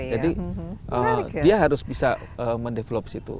jadi dia harus bisa mendevelop situ